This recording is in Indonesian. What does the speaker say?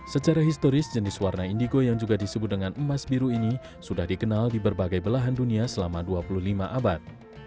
secara historis jenis warna indigo yang juga disebut dengan emas biru ini sudah dikenal di berbagai belahan dunia selama dua puluh lima abad